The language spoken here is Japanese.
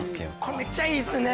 これめっちゃいいですね。